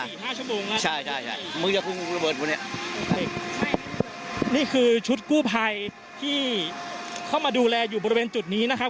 สี่ห้าชั่วโมงแล้วใช่ใช่ใช่มึงจะพึ่งระเบิดพวกเนี้ยนี่คือชุดกู้ภัยที่เข้ามาดูแลอยู่บริเวณจุดนี้นะครับ